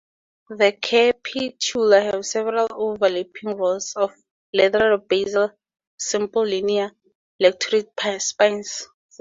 The capitula have several overlapping rows of leathery basal simple linear-lanceolate spines.